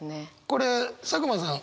これ佐久間さん